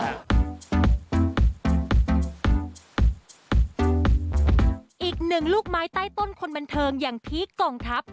อีกหนึ่งลูกไม้ใต้ต้นคนบันเทิงอย่างพีคกองทัพ